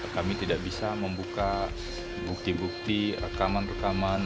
kami tidak bisa membuka bukti bukti rekaman rekaman